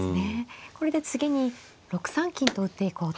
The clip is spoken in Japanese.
これで次に６三金と打っていこうと。